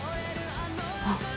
あっ